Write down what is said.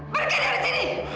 pergi dari sini